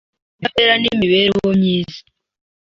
ubutabera n’imibereho myiza.